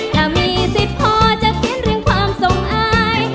ถ้ามีสิทธิ์พอจะเขียนเรื่องความทรงอาย